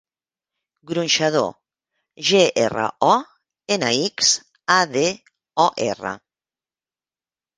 Gronxador: ge, erra, o, ena, ics, a, de, o, erra.